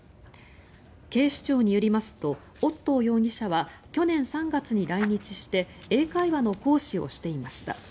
警視庁によりますとオットー容疑者は去年３月に来日して英会話の講師をしていました。